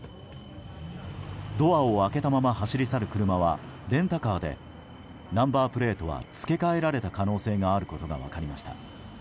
ドアを開けたまま走り去る車はレンタカーでナンバープレートは付け替えられた可能性があることが分かりました。